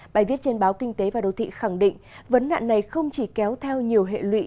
bài viết trên báo kinh tế và đầu thị khẳng định vấn nạn này không chỉ kéo theo nhiều hệ lụy